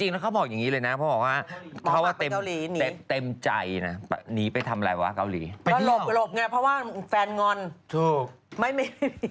จริงเขาบอกอย่างนี้เลยนะเพราะมันประมาฆไปเกาหลีนี่